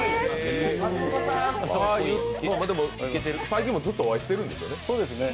最近もずっとお会いしているんですよね？